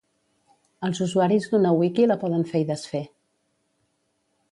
Els usuaris d'una wiki la poden fer i desfer.